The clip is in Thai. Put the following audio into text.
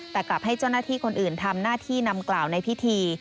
แต่กลับให้เจ้าหน้าที่คนอื่นทำหน้าที่นำกล่าวในพิธี